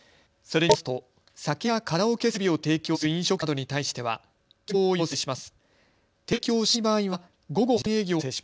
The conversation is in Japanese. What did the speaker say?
それによりますと酒やカラオケ設備を提供する飲食店などに対しては休業を要請します。